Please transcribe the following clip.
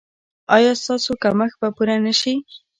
ایا ستاسو کمښت به پوره نه شي؟